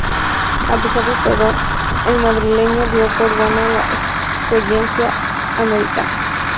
A pesar de todo, el madrileño dio por buena la experiencia americana.